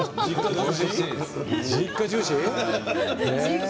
実家重視。